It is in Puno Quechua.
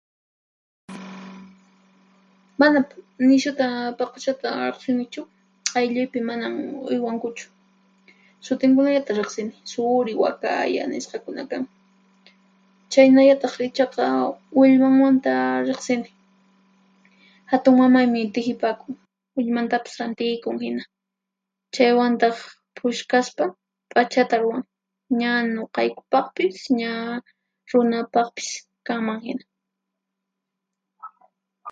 Mana nishuta paquchata riqsinichu, aylluypi manan uywankuchu, sutinkunallata riqsini: suri, wakaya nisqakunam kan. Chhaynallataq ichaqa willmanmanta riqsini. Hatunmamaymi tihipakun, willmantapis rantikun hina; chaywantaq phushkaspa p'achata ruwan, ña nuqaykupaqpis ña runapaqpis kanman hina.